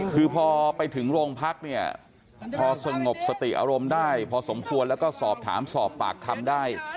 คือพอไปถึงโรงพักเนี่ยพอสงบสติอารมณ์ได้พอสมควรแล้วก็สอบถามสอบปากคำได้